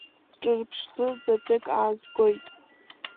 Ҿырԥштәы-заҵәык аазгоит.